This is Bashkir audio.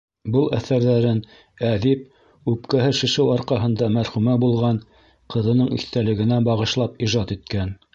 Был әҫәрҙәрен әҙип үпкәһе шешеү арҡаһында мәрхүмә булған ҡыҙының иҫтәлегенә бағышлап ижад иткән.